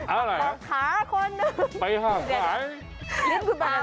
อะไรนะไปห่างหลาย